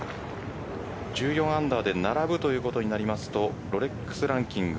１４アンダーで並ぶということになりますとロレックスランキング